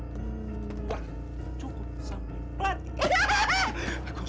lu mau kemana lu